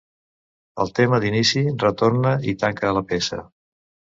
El tema d'inici retorna i tanca la peça.